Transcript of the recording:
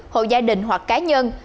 hộ gia đình hoặc cá nhân